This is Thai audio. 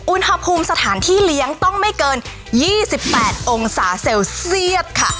อุณหภูมิสถานที่เลี้ยงต้องไม่เกิน๒๘องศาเซลเซียตค่ะ